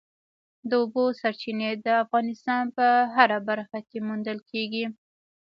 د اوبو سرچینې د افغانستان په هره برخه کې موندل کېږي.